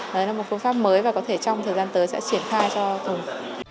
đó là một phương pháp mới và có thể trong thời gian tới sẽ triển khai cho tùng